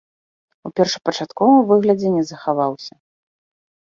У першапачатковым выглядзе не захаваўся.